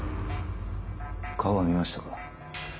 顔は見ましたか？